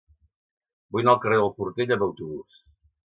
Vull anar al carrer del Portell amb autobús.